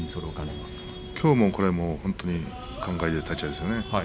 きょうも考えた立ち合いですよね。